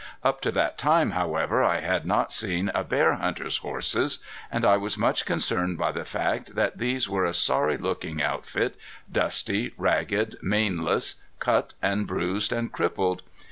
Up to that time, however, I had not seen a bear hunter's horses; and I was much concerned by the fact that these were a sorry looking outfit, dusty, ragged, maneless, cut and bruised and crippled.